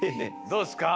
どうですか？